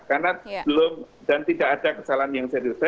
karena belum dan tidak ada kesalahan yang saya dirasakan